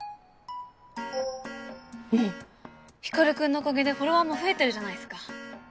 おっ光君のおかげでフォロワーも増えてるじゃないっすか。